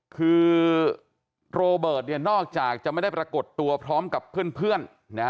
คือโรเบิร์ตเนี่ยนอกจากจะไม่ได้ปรากฏตัวพร้อมกับเพื่อน